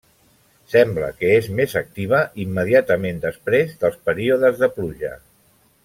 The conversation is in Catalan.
Sembla que és més activa immediatament després dels períodes de pluja.